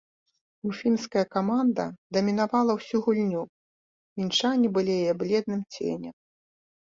Уфімская каманда дамінавала ўсю гульню, мінчане былі яе бледным ценем.